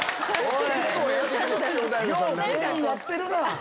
芸人やってるな。